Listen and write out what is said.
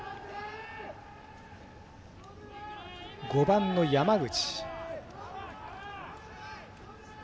５番の山口。